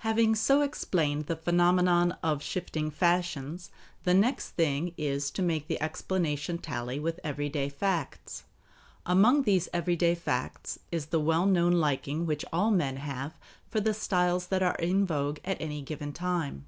Having so explained the phenomenon of shifting fashions, the next thing is to make the explanation tally with everyday facts. Among these everyday facts is the well known liking which all men have for the styles that are in vogue at any given time.